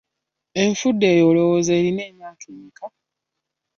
Enfudu eyo olowooza erina emyaka emeka?